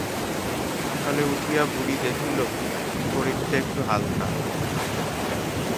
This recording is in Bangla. সকালে উঠিয়া বুড়ি দেখিল শরীরটা একটু হালকা।